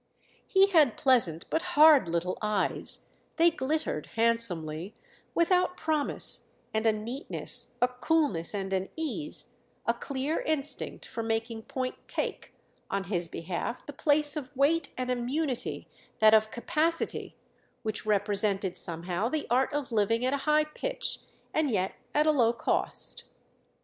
He had pleasant but hard little eyes—they glittered, handsomely, without promise—and a neatness, a coolness and an ease, a clear instinct for making point take, on his behalf, the place of weight and immunity that of capacity, which represented somehow the art of living at a high pitch and yet at a low cost.